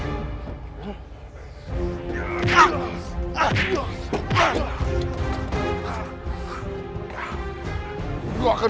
gue akan bongkar semua sia kalian